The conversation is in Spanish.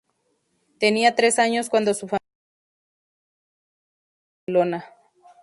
Tenía tres años cuando su familia emigró en busca de trabajo a Barcelona.